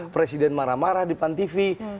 presiden marah marah di depan tv